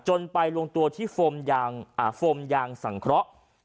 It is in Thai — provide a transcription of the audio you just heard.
ไปลงตัวที่โฟมยางสังเคราะห์